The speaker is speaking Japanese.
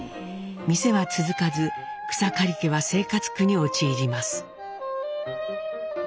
店は続かず草刈家は生活苦に陥ります。